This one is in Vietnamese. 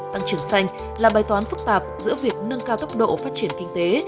tăng trưởng xanh là bài toán phức tạp giữa việc nâng cao tốc độ phát triển kinh tế